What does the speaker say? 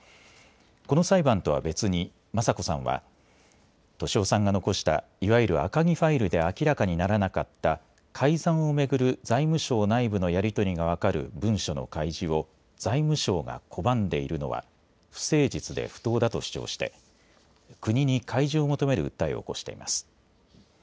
この裁判とは別に、雅子さんは、俊夫さんが残したいわゆる赤木ファイルで明らかにならなかった改ざんを巡る財務省内部のやり取りが分かる文書の開示を財務省が拒んでいるのは、不誠実で不当だと主張して、国に開示を求める訴えを起こしています。